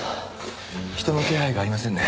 人の気配がありませんね。